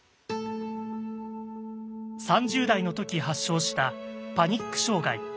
３０代の時発症したパニック障害。